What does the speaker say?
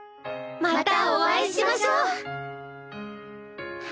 またお会いしましょう。